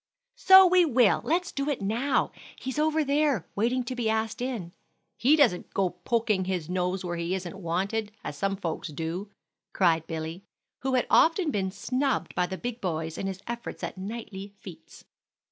"So we will! Let's do it now; he's over there waiting to be asked in. He doesn't go poking his nose where he isn't wanted, as some folks do," cried Billy, who had often been snubbed by the big boys in his efforts at knightly feats.